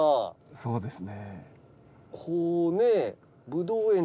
そうですね